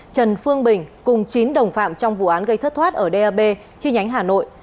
trần phương bình cùng chín đồng phạm trong vụ án gây thất thoát ở dap chi nhánh hà nội